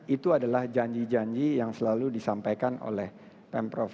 itu adalah janji janji yang selalu disampaikan oleh pemprov